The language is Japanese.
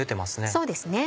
そうですね。